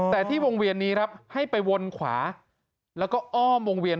แต่ที่วงเวียนนี้ครับให้ไปวนขวาแล้วก็อ้อมวงเวียน